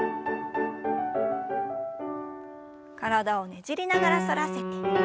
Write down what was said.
体をねじりながら反らせて。